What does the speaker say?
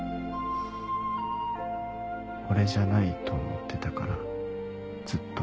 俺じゃないと思ってたからずっと。